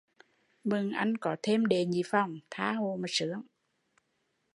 Mừng anh có thêm đệ nhị phòng, tha hồ mà sướng